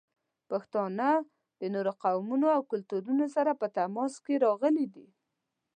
پښتانه د نورو قومونو او کلتورونو سره په تماس کې راغلي دي.